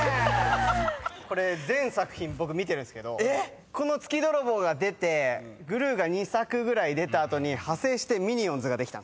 これ全作品僕見てるんですけどこの『月泥棒』が出て『グルー』が２作ぐらい出た後に派生して『ミニオンズ』ができた。